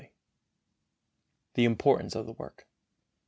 The Importance of the Work.